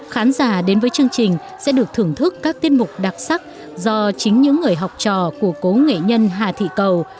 khán giả đến với chương trình sẽ được thưởng thức các tiết mục đặc sắc do chính những người học trò của cố nghệ nhân hà thị cầu